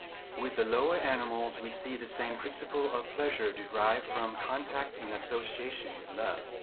With the lower animals we see the same principle of pleasure derived from contact in association with love.